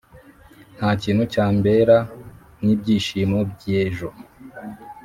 ntakintu cyambera nkibyishimo byejo.